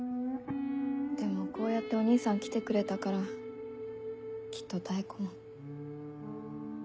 でもこうやってお兄さん来てくれたからきっと妙子も。